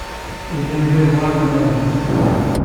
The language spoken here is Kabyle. Yuba yella yebɣa ad imahel.